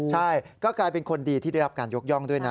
ใช่ก็กลายเป็นคนดีที่ได้รับการยกย่องด้วยนะ